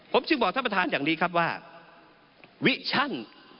ผมจึงบอกท่านประธานอย่างนี้ครับว่าวิชั่น